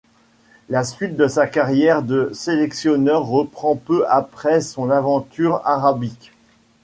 La suite de sa carrière de sélectionneur reprend, peu après son aventure arabique.